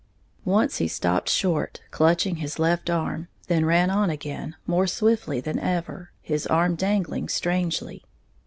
Once he stopped short, clutching his left arm; then ran on again, more swiftly than ever, his arm dangling strangely.